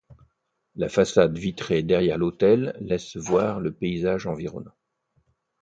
La façade vitrée derrière l'autel laisse voir le paysage environnant.